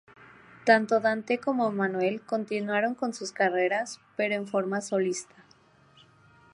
Tanto Dante como Emmanuel continuaron con sus carreras, pero en forma solista.